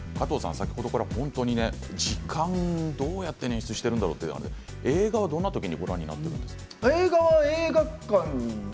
先ほどから本当に時間、どうやって捻出しているんだろうと映画はどんな時にご覧になるんですか。